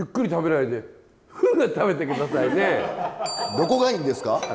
どこがいいんですか？